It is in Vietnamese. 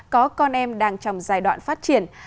có con em đang trong giai đoạn phát triển